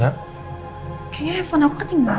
mari kita mogok additional